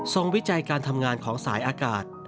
วิจัยการทำงานของสายอากาศ